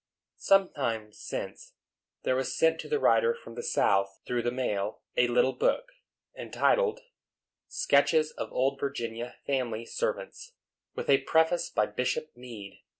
Some time since, there was sent to the writer from the South, through the mail, a little book, entitled, "Sketches of Old Virginia Family Servants," with a preface by Bishop Meade.